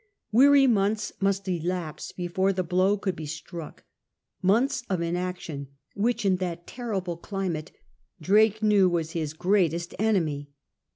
Weary months must elapse before the blow could be struck — months of inaction, which in that terrible climate Drake knew was his greatest enemy.